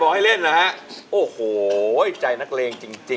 โหใจนักเลงจริงเลยนะ